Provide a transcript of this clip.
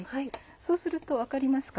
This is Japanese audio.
そうすると分かりますか？